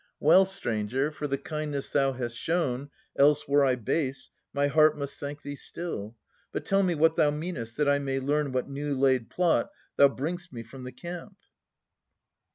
Well, stranger, for the kindness thou hast shown, — Else were I base, — my heart must thank thee still. But tell me what thou meanest, that I may learn What new laid plot thou bring'st me from the camp.